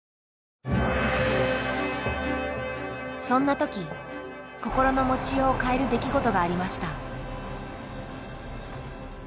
そんな時心の持ちようを変える出来事がありました。